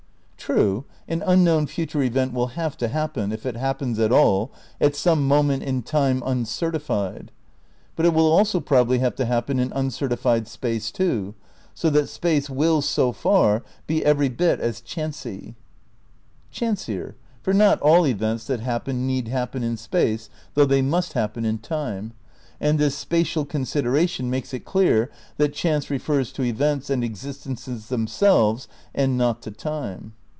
True, an unknown future event will have to happen, if it happens at all, at some moment in time uncerti fied; but it will also probably have to happen in un certified space too, so that space wiU, so far, be every bit as chancey. ( Chanieier ; for not all events that hap pen need happen in space, though they must happen in time. And this spatial consideration makes it clear that chance refers to events and existences themselves and not to time.)